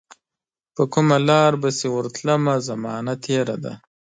پرکومه لار به چي ورتلمه، زمانه تیره ده